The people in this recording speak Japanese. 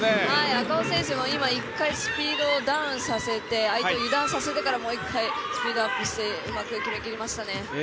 赤穂選手も、今、一回スピードをダウンさせて、相手を油断させてからもう一回スピードアップしてうまく決めきりましたね。